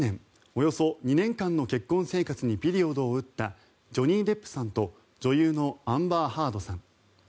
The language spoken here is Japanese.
およそ２年間の結婚生活にピリオドを打ったジョニー・デップさんと女優のアンバー・ハードさん。